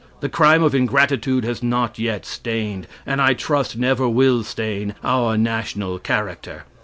The crime of ingratitude has not yet stained, and I trust never will stain, our national character.